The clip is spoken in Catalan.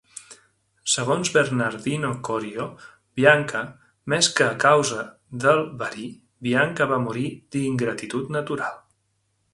Segons Bernardino Corio, Bianca "més que a causa del verí, Bianca va morir d'ingratitut natural".